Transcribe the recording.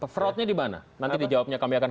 fraudnya dimana nanti dijawabnya kami akan